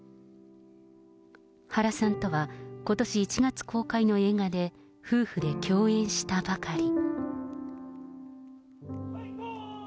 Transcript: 原さんとは、ことし１月公開の映画で、夫婦で共演したばかり。